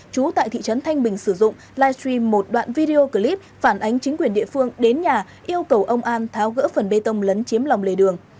chú tại thị trấn thanh bình sử dụng livestream một đoạn video clip phản ánh chính quyền địa phương đến nhà yêu cầu ông an tháo gỡ phần bê tông lấn chiếm lòng lề đường